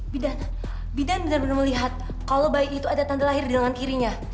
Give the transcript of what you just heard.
bidan bidan benar benar melihat kalau bayi itu ada tanda lahir di lengan kirinya